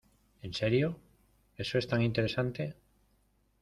¿ En serio? Eso es tan interesante.